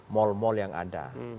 mall mall yang ada